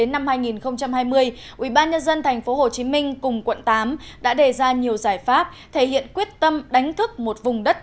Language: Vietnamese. năm hai nghìn hai mươi ubnd tp hcm cùng quận tám đã đề ra nhiều giải pháp thể hiện quyết tâm đánh thức một vùng đất